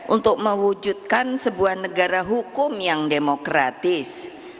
untuk mewujudkan sebuah negara hukum yang demokratis